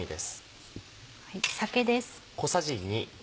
酒です。